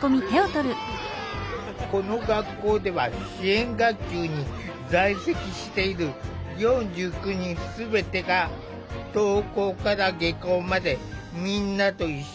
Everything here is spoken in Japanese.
この学校では支援学級に在籍している４９人全てが登校から下校までみんなと一緒に過ごしている。